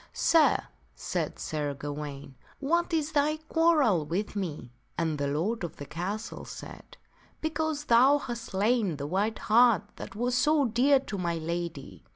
" Sir," said Sir Gawaine, " what is thy quarrel with me ?" And the lord of the castle said, " Because thou hast slain the white hart that was so dear to my lady."